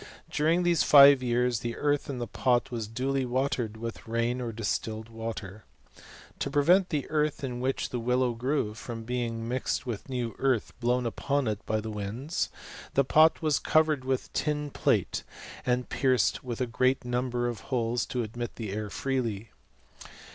During these five years, the earth in' the pot was duly watered with rain or distilled water.' To prevent the earth in which the willow grew firom' being mixed with new earth blown upon it by tha winds, the pot was covered with tin plate, pierced witto a great number of holes to admit the air freely.